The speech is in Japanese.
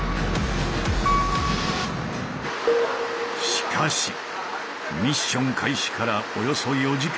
しかしミッション開始からおよそ４時間。